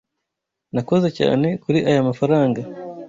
Nakoze cyane kuri aya mafaranga.